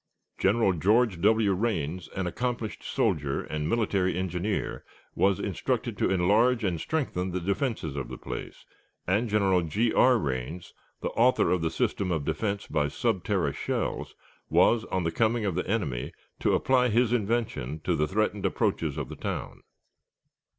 General George W. Rains, an accomplished soldier and military engineer, was instructed to enlarge and strengthen the defenses of the place, and General G. R. Rains, the author of the system of defense by sub terra shells, was, on the coming of the enemy, to apply his invention to the threatened approaches of the town.